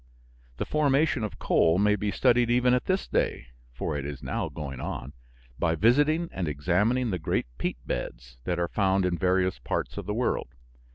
The formation of coal may be studied even at this day (for it is now going on) by visiting and examining the great peat beds that are found in various parts of the world.